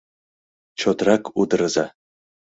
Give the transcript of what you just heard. — Чотрак удырыза!..